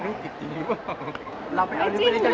เต็มกันเลย